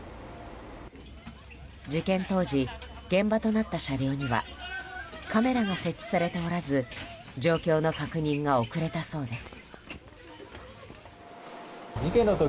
事件当時現場となった車両にはカメラが設置されておらず状況の確認が遅れたそうです。